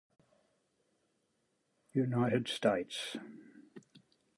United States